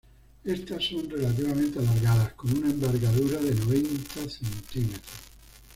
Estas son relativamente alargadas con una envergadura de noventa centímetros.